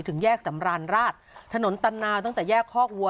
ถึงแยกสำราญราชถนนตันนาวตั้งแต่แยกคอกวัว